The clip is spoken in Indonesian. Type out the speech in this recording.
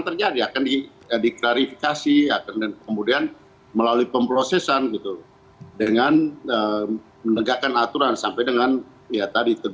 terakhir mas adi